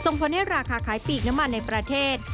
ผลให้ราคาขายปีกน้ำมันในประเทศ